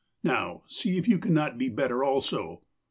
Now, see if you can not be better also.